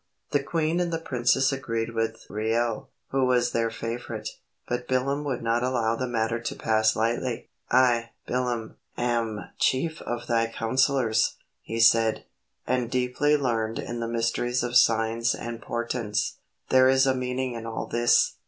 The queen and the princess agreed with Reuel, who was their favorite, but Bilam would not allow the matter to pass lightly. "I, Bilam, am chief of thy counselors," he said, "and deeply learned in the mysteries of signs and portents. There is a meaning in all things.